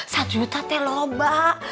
sejuta teh lo mbak